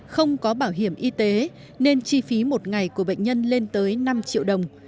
không có bảo hiểm y tế nên chi phí một ngày của bệnh nhân lên tới năm triệu đồng